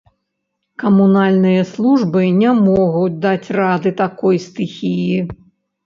Камунальныя службы не могуць даць рады такой стыхіі.